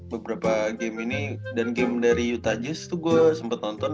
beberapa game ini dan game dari utah jazz tuh gue sempet nonton